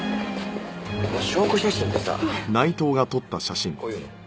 その証拠写真ってさこういうの？